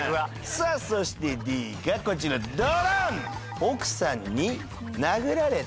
さあそしてＤがこちらドドン！